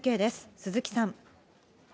鈴木さん。